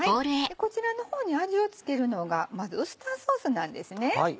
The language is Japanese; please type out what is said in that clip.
こちらの方に味を付けるのがまずウスターソースなんです。